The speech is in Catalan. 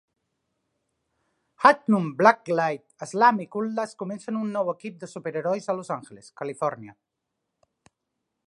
Handgunn, Blacklight, Slam i Cutlass comencen un nou equip de superherois a Los Angeles, Califòrnia.